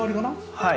はい。